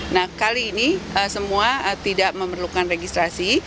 nah kali ini semua tidak memerlukan registrasi